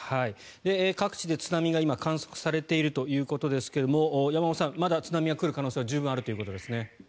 各地で今津波が観測されていますが山本さん、津波が来る可能性は十分にあるということですね。